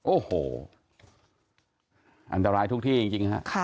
โอ้โหอันตรายทุกที่จริงฮะ